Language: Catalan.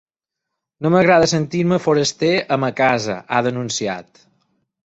No m’agrada sentir-me foraster a ma casa, ha denunciat.